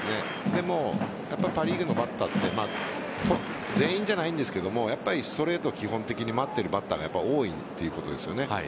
でもパ・リーグのバッターは全員じゃないんですがストレートを基本的に待っているバッターが多いということですよね。